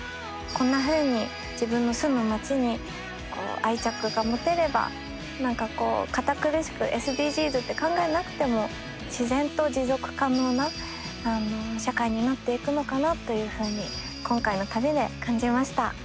こんなふうに自分の住む町に愛着が持てれば何かこう堅苦しくＳＤＧｓって考えなくても自然と持続可能な社会になっていくのかなというふうに今回の旅で感じました。